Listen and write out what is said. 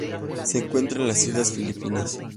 Se encuentra en las Islas Filipinas.